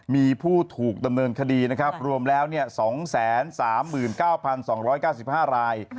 มีผู้ถูกดำเนินคดีนะครับรวมแล้ว๒๓๙๒๙๕ราย